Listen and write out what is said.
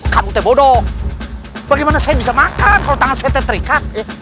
kamu bodoh bagaimana saya bisa makan kalau tangan setrika